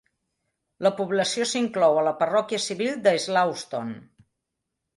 La població s'inclou a la parròquia civil de Slawston.